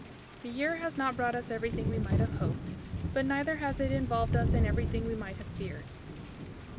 The year has not brought us everything we might have hoped, but neither has it involved us in everything we might have feared.